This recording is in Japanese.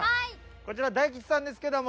こちら大吉さんですけども。